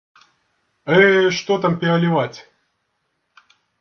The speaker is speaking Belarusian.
Э, што там пераліваць!